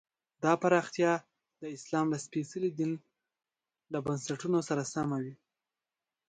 دا پراختیا د اسلام له سپېڅلي دین له بنسټونو سره سمه وي.